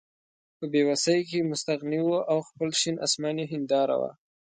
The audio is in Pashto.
په بې وسۍ کې مستغني وو او خپل شین اسمان یې هېنداره وه.